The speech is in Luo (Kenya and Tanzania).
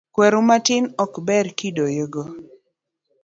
Kweru matin ok ber gidoyo.